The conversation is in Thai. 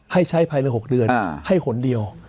ให้ใช้ภายใน๖เดือนให้หนเดียว